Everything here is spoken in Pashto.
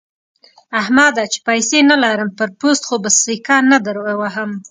احمده! چې پيسې نه لرم؛ پر پوست خو به سکه نه دروهم.